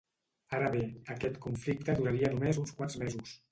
Ara bé, aquest conflicte duraria només uns quants mesos.